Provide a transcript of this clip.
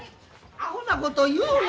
アホなことを言うな。